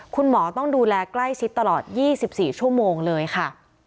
คุณหมอต้องดูแลใกล้ชิดตลอด๒๔ชั่วโมงเลยค่ะ